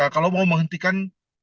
kalau mau menghentikan